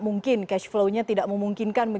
mungkin cashflow nya tidak memungkinkan